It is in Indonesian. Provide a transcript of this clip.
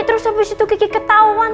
terus habis itu kiki ketahuan